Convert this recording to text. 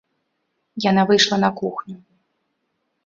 Яна выйшла на кухню.